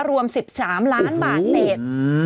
รวม๑๓ล้านบาทเศษ